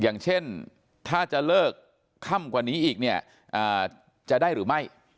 อย่างเช่นถ้าจะเลิกค่ำกว่านี้อีกเนี่ยจะได้หรือไม่